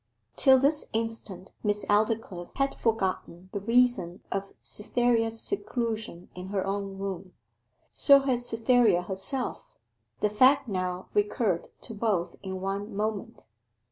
Till this instant Miss Aldclyffe had forgotten the reason of Cytherea's seclusion in her own room. So had Cytherea herself. The fact now recurred to both in one moment.